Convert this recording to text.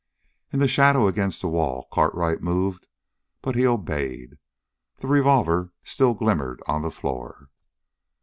In the shadow against the wall Cartwright moved, but he obeyed. The revolver still glimmered on the floor.